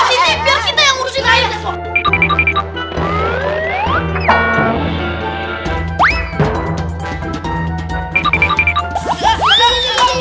ini biar kita yang urusin